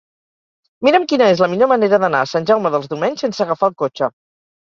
Mira'm quina és la millor manera d'anar a Sant Jaume dels Domenys sense agafar el cotxe.